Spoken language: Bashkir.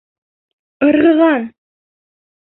Ырғыған!